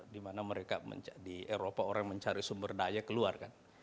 dimana mereka di eropa orang mencari sumber daya keluar kan